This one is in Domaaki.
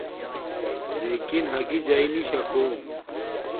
لݵکن ہگݵ جݳئی نݵ شَکݸم.